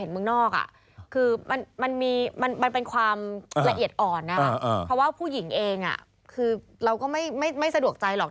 เพราะว่าผู้หญิงเองคือเราก็ไม่สะดวกใจหรอก